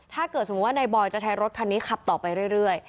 สมมุติว่านายบอยจะใช้รถคันนี้ขับต่อไปเรื่อย